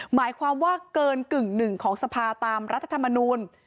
หมายความว่าเกินกึ่งหนึ่งของสภาตามรัฐธรรมนูล